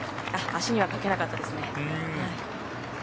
足にはかけなかったですね。